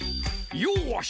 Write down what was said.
よし！